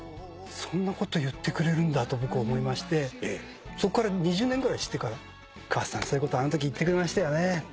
そんなこと言ってくれるんだと僕思いましてそこから２０年ぐらいしてから桑田さんそういうことあのとき言ってくれましたよね。